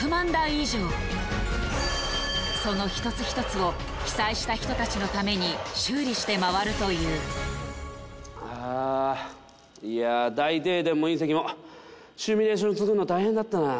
その一つ一つを被災した人達のために修理して回るというあいや大停電も隕石もシミュレーションするの大変だったな